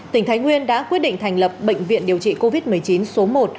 tỉnh thái nguyên đã quyết định thành lập bệnh viện điều trị covid một mươi chín số một